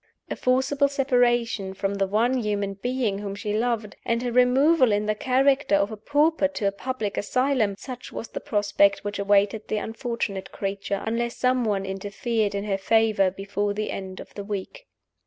A forcible separation from the one human being whom she loved, and a removal in the character of a pauper to a public asylum such was the prospect which awaited the unfortunate creature unless some one interfered in her favor before the end of the week.